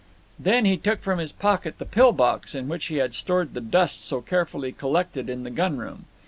Then he took from his pocket the pill box in which he had stored the dust so carefully collected in the gunroom.